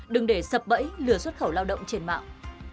đừng để sập bẫy lừa xuất khẩu lao động trên mạng